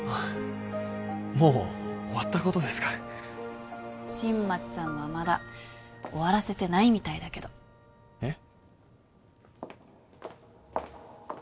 もう終わったことですから新町さんはまだ終わらせてないみたいだけどえっ？